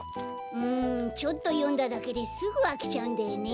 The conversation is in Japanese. うんちょっとよんだだけですぐあきちゃうんだよね。